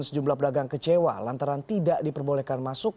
sejumlah pedagang kecewa lantaran tidak diperbolehkan masuk